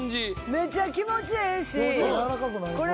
めっちゃ気持ちええしこれ。